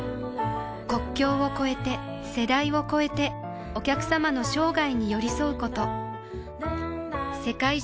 国境を超えて世代を超えてお客様の生涯に寄り添うこと